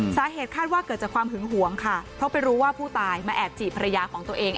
สาเหตุคาดว่าเกิดจากความหึงหวงค่ะเพราะไปรู้ว่าผู้ตายมาแอบจีบภรรยาของตัวเอง